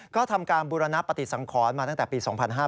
ก็ทำการบูรณปฏิสังขรมาตั้งแต่ปี๒๕๕๙